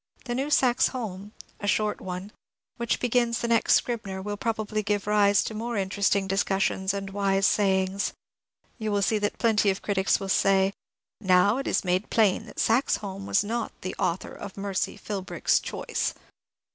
— The new Saxe Holm (a short one) which begins the next Scribner will probably give rise to more interesting discussions and wise sayings. You will see that plenty of the critics will say :*^ Now it is made plain that Saxe Holm was not the author of ' Mercy Philbrick's Choice.'